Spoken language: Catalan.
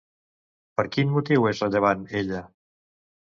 Per quin motiu és rellevant ella?